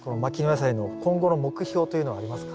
野菜の今後の目標というのはありますか？